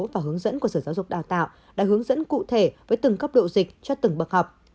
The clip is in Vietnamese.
và hướng dẫn của sở giáo dục đào tạo đã hướng dẫn cụ thể với từng cấp độ dịch cho từng bậc học